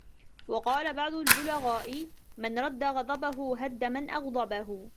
وَقَالَ بَعْضُ الْبُلَغَاءُ مَنْ رَدَّ غَضَبَهُ هَدَّ مَنْ أَغْضَبَهُ